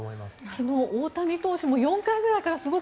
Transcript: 昨日、大谷投手も４回くらいから。